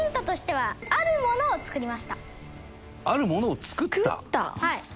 はい。